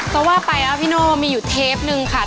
ก็ว่าไปแล้วพี่โน่มีอยู่เทปนึงค่ะ